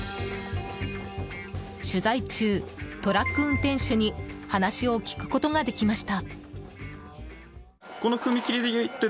取材中、トラック運転手に話を聞くことができました。